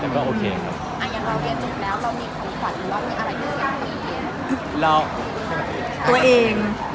อันนั้นเราเรียนจุดแล้วเรามีของขวัญต้องมีอะไรด้วยอย่างมีเยี่ยม